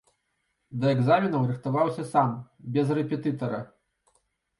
Да экзаменаў рыхтаваўся сам, без рэпетытара.